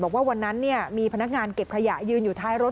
บอกว่าวันนั้นมีพนักงานเก็บขยะยืนอยู่ท้ายรถ